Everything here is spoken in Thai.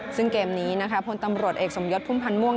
ซึ่งเกมนี้นะคะพลตำรวจเอกสมยศพุ่มพันธ์ม่วง